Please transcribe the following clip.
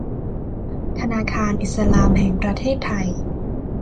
ธนาคารอิสลามแห่งประเทศไทย